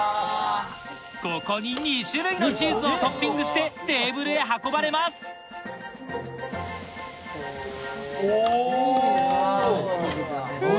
ここに２種類のチーズをトッピングしてテーブルへ運ばれますおぉ！